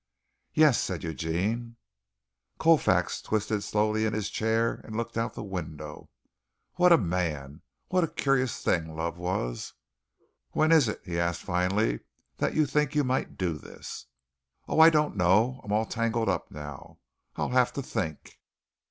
"Yes," said Eugene. Colfax twisted slowly in his chair and looked out of the window. What a man! What a curious thing love was! "When is it," he asked finally, "that you think you might do this?" "Oh, I don't know. I'm all tangled up now. I'll have to think."